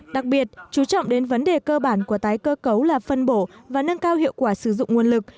đặc biệt chú trọng đến vấn đề cơ bản của tái cơ cấu là phân bổ và nâng cao hiệu quả sử dụng nguồn lực